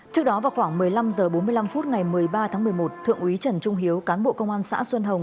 trước đó vào khoảng một mươi năm h bốn mươi năm phút ngày một mươi ba tháng một mươi một thượng úy trần trung hiếu cán bộ công an xã xuân hồng